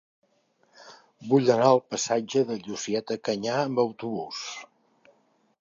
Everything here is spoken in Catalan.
Vull anar al passatge de Llucieta Canyà amb autobús.